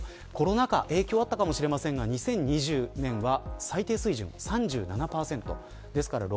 コロナ禍の影響もあったかもしれませんが２０２０年は過去最低水準でした。